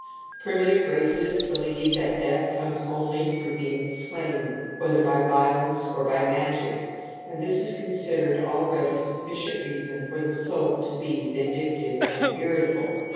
I Primitive races believe that death comes only through being slain, whether by violence or by magic, and this is considered already sufficient reason for the soul to be vindictive and irritable.